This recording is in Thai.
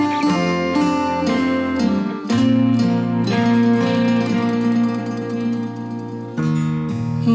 เชิญล่ะครับ